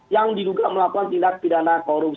yang diduga melakukan tindakan yang lainnya ya kan